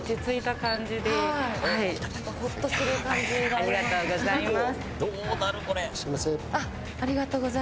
ありがとうございます。